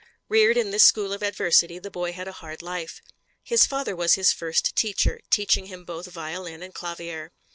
Reared in this school of adversity the boy had a hard life. His father was his first teacher, teaching him both violin and clavier.